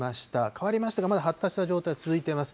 変わりましたが、まだ発達した状態は続いています。